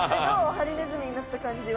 ハリネズミになったかんじは。